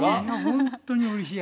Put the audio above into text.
本当にうれしい。